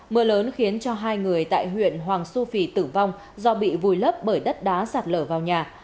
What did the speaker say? mưa lớn khiến cho hai người tại huyện hoàng su phi tử vong do bị vùi lấp bởi đất đá sạt lở vào nhà